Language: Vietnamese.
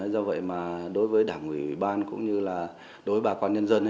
do vậy mà đối với đảng ủy ban cũng như là đối với bà con nhân dân